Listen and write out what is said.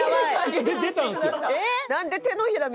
出たんですよ！